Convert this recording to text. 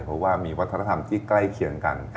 เพราะว่ามีวัฒนธรรมที่ใกล้เคียงกัน